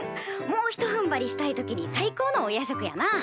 もうひとふんばりしたい時に最高のお夜食やな。